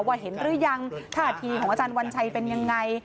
เห็นหรือยังท่าทีของอาจารย์วันชัยเป็นยังไง